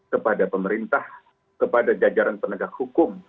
kepada pemerintah kepada jajaran penegak hukum